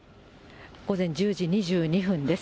午前１０時２２分です。